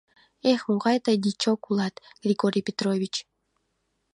— Эх, могай тый дичок улат, Григорий Петрович.